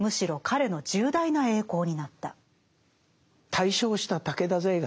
大勝した武田勢がね